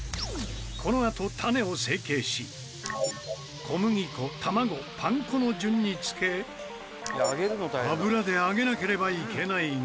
このあとタネを成形し小麦粉卵パン粉の順につけ油で揚げなければいけないが。